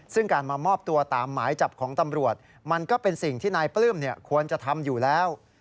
ซึ่งการมามอบตัวตามหมายจับของตำรวจมันก็เป็นสิ่งที่นายปลื้มควรจะทำอยู่แล้ว